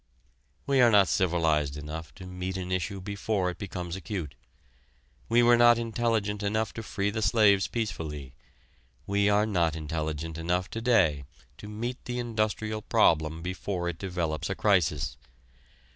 We are not civilized enough to meet an issue before it becomes acute. We were not intelligent enough to free the slaves peacefully we are not intelligent enough to day to meet the industrial problem before it develops a crisis.